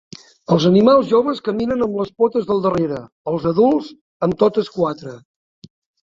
Els animals joves caminen amb les potes del darrere, els adults amb totes quatre.